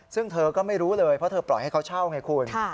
ซึ่งเธอก็ไม่รู้เลยเพราะเธอปล่อยให้เขาเช่าไงคุณ